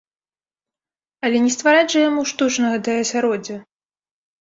Але не ствараць жа яму штучна гэтае асяроддзе!